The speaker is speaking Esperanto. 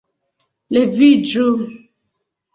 Leviĝu!